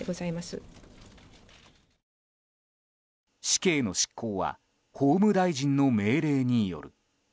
死刑の執行は法務大臣の命令による。